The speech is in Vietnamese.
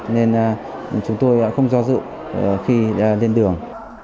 nên chúng tôi không do dự khi lên đường